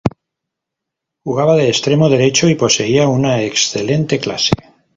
Jugaba de extremo derecho, y poseía una excelente clase.